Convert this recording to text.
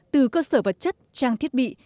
từ cơ sở vật chất trang thiết bị